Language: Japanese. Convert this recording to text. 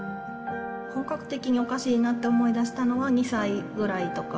本格的におかしいなって思いだしたのは、２歳ぐらいとか。